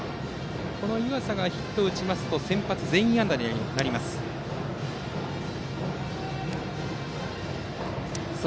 この湯浅がヒットを打ちますと先発全員安打になります仙台育英。